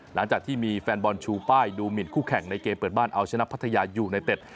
หลังจากที่มีแฟนบอลชูป้ายดูหมินคู่แข่งในเกมเปิดบ้านเอาชนะพัทยายูไนเต็ด